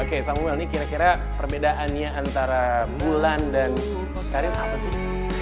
oke samuel ini kira kira perbedaannya antara bulan dan karir apa sih